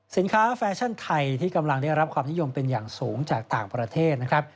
แฟชั่นไทยที่กำลังได้รับความนิยมเป็นอย่างสูงจากต่างประเทศนะครับ